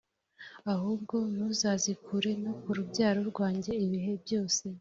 ahubwo ntuzazikure no ku rubyaro rwanjye ibihe byose